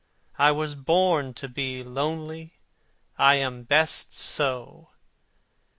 I was born to be lonely, I am best so!"